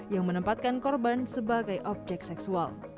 yang menempatkan korban sebagai objek seksual